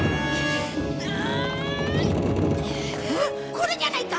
これじゃないか！？